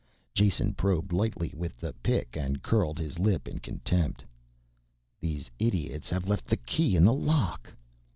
Jason probed lightly with the pick and curled his lip in contempt. "These idiots have left the key in the lock."